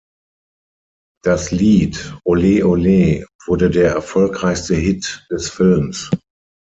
Das Lied "Ole Ole" wurde der erfolgreichste Hit des Films.